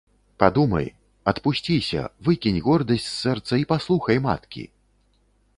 Падумай, адпусціся, выкінь гордасць з сэрца і паслухай маткі!